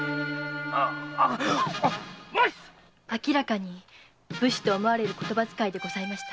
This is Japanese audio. あきらかに武士と思われる言葉遣いでございました。